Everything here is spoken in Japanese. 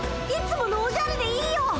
いつものおじゃるでいいよ！